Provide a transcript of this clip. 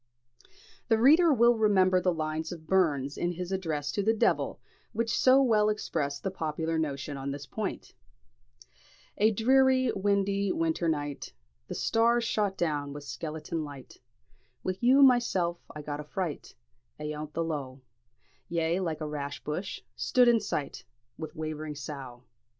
The reader will remember the lines of Burns in his address to the "De'il," which so well express the popular notion on this point: "Ae dreary, windy, winter night, The stars shot down wi' sklentin light, Wi' you mysel, I got a fright Ayont the lough; Ye, like a rash bush, stood in sight Wi' waving sough.